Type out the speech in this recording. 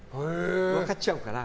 分かっちゃうから。